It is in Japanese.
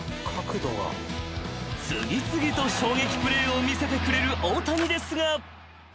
［次々と衝撃プレーを見せてくれる大谷ですが］